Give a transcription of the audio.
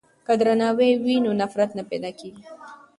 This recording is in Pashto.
که درناوی وي نو نفرت نه پیدا کیږي.